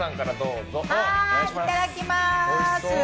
いただきます！